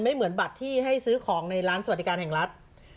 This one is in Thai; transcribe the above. เหมือนบัตรที่ให้ซื้อของในร้านสวัสดิการแห่งรัฐ